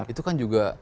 itu kan juga